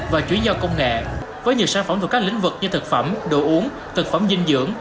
và chủ nhân công nghệ với nhiều sản phẩm từ các lĩnh vực như thực phẩm đồ uống thực phẩm dinh dưỡng